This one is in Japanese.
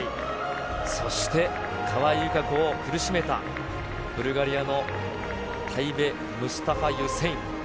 そして川井友香子を苦しめた、ブルガリアのタイベムスタファ・ユセイン。